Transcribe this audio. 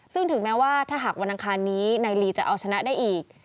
ซึ่งถึงแม้ว่าถ้าหากวันอังคารนี้ในลีจะเอาชนะได้อีก